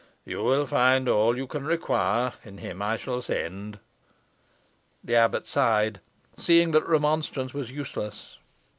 "You will find all you can require in him I shall send." The abbot sighed, seeing that remonstrance was useless.